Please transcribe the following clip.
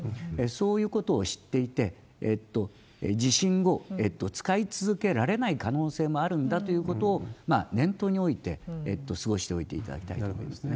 そういうことを知っていて、地震後、使い続けられない可能性もあるんだということを念頭に置いて過ごしておいていただきたいと思いますね。